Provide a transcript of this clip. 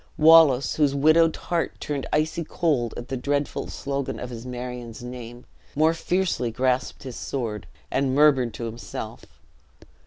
Wallace, whose widowed heart turned icy cold at the dreadful slogan of his Marion's name, more fiercely grasped his sword, and murmured to himself.